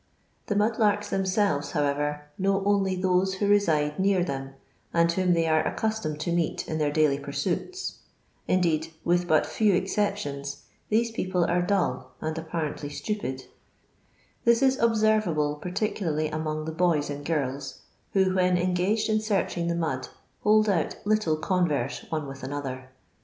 The mud larks themselves, how ever, kpow only those who reside near them, and whom they are accustomed to meet in their (iai\y pursuits ; indeed, with but few exceptions, these people are dull, n:id apparently jstupid ,* this is 9b servable particularly among the boj s and girls, who, when engaged in searching the mud, hold but little converse one with another.